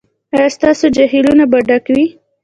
ایا ستاسو جهیلونه به ډک وي؟